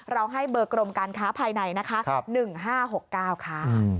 เราให้เบอร์กรมการค้าภายใน๑๕๖๙ค่ะ